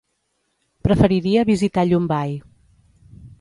Preferiria visitar Llombai.